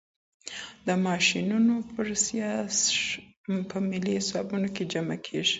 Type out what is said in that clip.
د ماشینونو فرسایش په ملي حسابونو کي جمع کیږي.